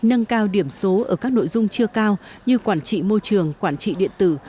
nâng cao điểm số ở các nội dung chưa cao như quản trị môi trường quản trị điện tử